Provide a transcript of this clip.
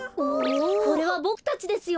これはボクたちですよ。